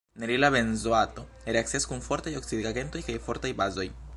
Nerila benzoato reakcias kun fortaj oksidigagentoj kaj fortaj bazoj.